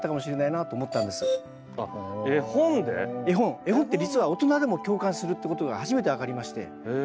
絵本って実は大人でも共感するってことが初めて分かりまして。